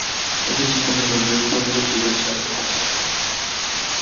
Aquí se encuentra la mayor parte residencial del Paseo.